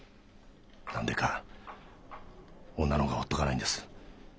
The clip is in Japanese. なんでか女の方がほっとかないんです。